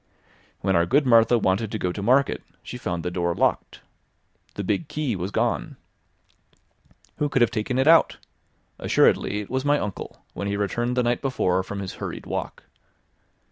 When our good Martha wanted to go to Market, she found the door locked. The big key was gone. Who could have taken it out? Assuredly, it was my uncle, when he returned the night before from his hurried walk.